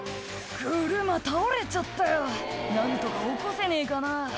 「車倒れちゃったよ何とか起こせねえかな」